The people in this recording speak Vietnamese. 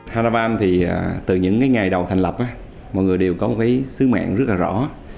haravan thì từ những ngày đầu thành lập mọi người đều có một sứ mẹn rất rõ